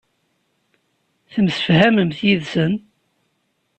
Temsefhamemt yid-sen.